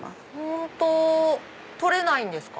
本当取れないんですか？